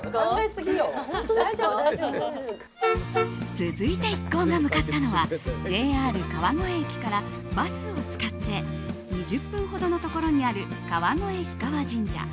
続いて一行が向かったのはＪＲ川越駅からバスを使って２０分ほどのところにある川越氷川神社。